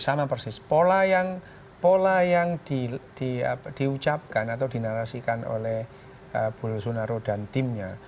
sama persis pola yang diucapkan atau dinarasikan oleh bulonaro dan timnya